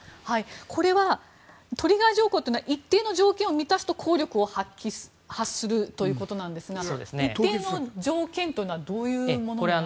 これはトリガー条項というのは一定の条件を満たすと効力を発するということなんですが一定の条件というのはどういうものなんですか。